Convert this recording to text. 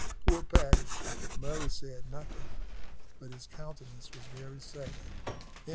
"Poor Paddy!" Murray said nothing, but his countenance was very sad.